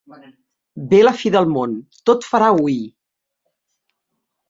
Ve la fi del món, tot farà ui!